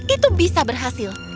itu bisa berhasil